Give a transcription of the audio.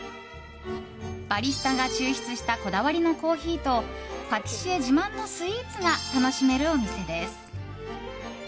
バリスタが抽出したこだわりのコーヒーとパティシエ自慢のスイーツが楽しめるお店です。